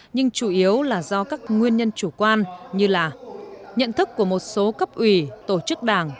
nhưng chủ yếu là do các nguyên nhân chủ quan như là nhận thức của một số cấp ủy tổ chức đảng